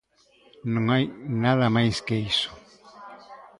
Non hai nada máis que iso.